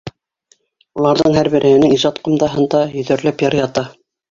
Уларҙың һәр береһенең ижад ҡумтаһында йөҙәрләп йыр ята.